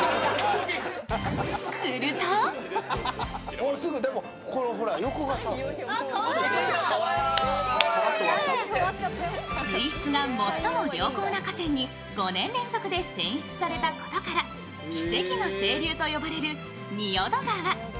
もうすぐ、でも、ほら、横がさ水質が最も良好な河川に５年連続で選出されたことから奇跡の清流と呼ばれる仁淀川。